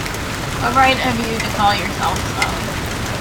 What right have you to call yourself so?